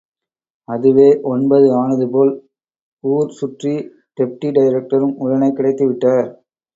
அதுவே ஒன்பது ஆனதுபோல் ஊர் சுற்றி டெப்டி டைரக்டரும் உடனே கிடைத்து விட்டார்.